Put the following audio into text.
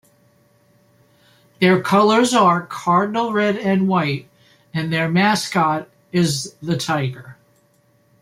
Their colors are cardinal red and white, and their mascot is the Tiger.